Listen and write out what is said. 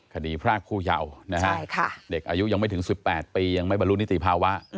พรากผู้เยาว์นะฮะเด็กอายุยังไม่ถึง๑๘ปียังไม่บรรลุนิติภาวะ